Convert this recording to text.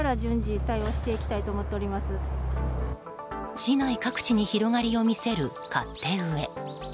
市内各地に広がりを見せる勝手植え。